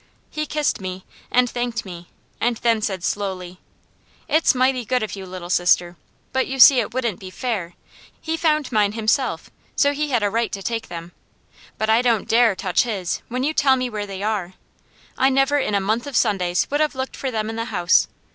He kissed me, and thanked me, and then said slowly: "It's mighty good of you, Little Sister, but you see it wouldn't be FAIR. He found mine himself, so he had a right to take them. But I don't dare touch his, when you tell me where they are. I never in a month of Sundays would have looked for them in the house.